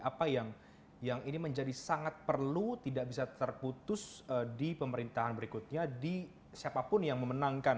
apa yang ini menjadi sangat perlu tidak bisa terputus di pemerintahan berikutnya di siapapun yang memenangkan